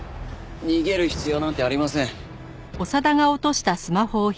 逃げる必要なんてありません。